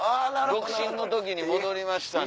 独身の時に戻りましたね。